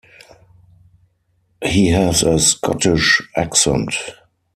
He has a Scottish accent.